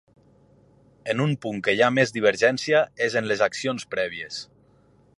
En un punt que hi ha més divergència és en les accions prèvies.